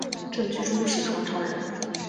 郑居中是唐朝人。